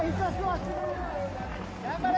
頑張れ！